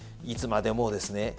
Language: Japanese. いつまでもですね